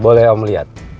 boleh om liat